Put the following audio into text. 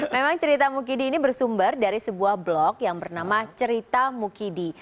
memang cerita mukidi ini bersumber dari sebuah blok yang bernama cerita mukidi